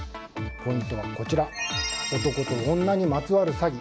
ポイントはこちら男と女にまつわる詐欺